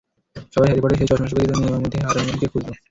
সবাই হ্যারি পটারের সেই চশমা চোখে দিয়েই যেন এমার মধ্যে হারমিওনিকেই খুঁজল।